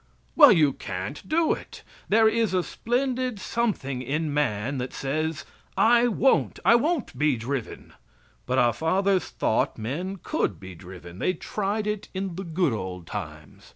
Well, you can't do it. There is a splendid something in man that says: "I won't; I won't be driven." But our fathers thought men could be driven. They tried it in the "good old times."